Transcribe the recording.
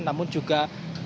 namun juga cuaca buruk